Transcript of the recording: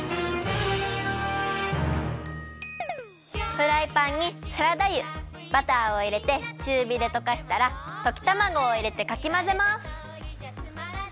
フライパンにサラダ油バターをいれてちゅうびでとかしたらときたまごをいれてかきまぜます。